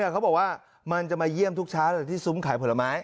เขาบอกว่ามันจะมาเยี่ยมทุกเช้าเลยที่ซุ้มขายผลไม้